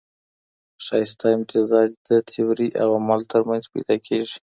ښايسته امتزاج د تيوري او عمل ترمنځ پيدا کېږي.